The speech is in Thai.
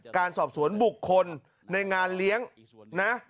การสอบสวนบุคคลในงานเลี้ยงนะ